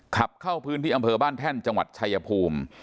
ขับเข้าพื้นที่อำเภอบ้านแท่นจังหวัดชายภูมิ